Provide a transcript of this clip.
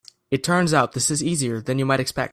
It turns out this is easier than you might expect.